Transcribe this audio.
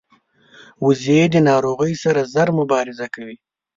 وزې د ناروغۍ سره ژر مبارزه کوي